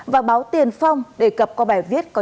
và báo tiền phong đề cập qua bài viết có nhân đề như sau đó là